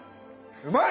うまい！